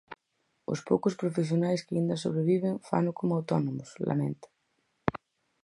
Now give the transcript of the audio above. "Os poucos profesionais que aínda sobreviven fano como autónomos", lamenta.